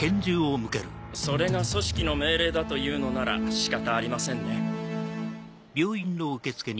それが「組織」の命令だというのなら仕方ありませんね。